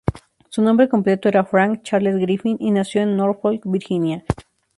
Su nombre completo era Frank Charles Griffin, y nació en Norfolk, Virginia.